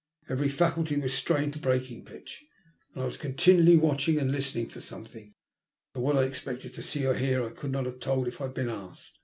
Every faculty was strained to breaking pitch, and I was continually watching and listening for something, though what I expected to see or hear I could not have told if I had been asked.